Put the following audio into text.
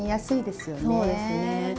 そうですね。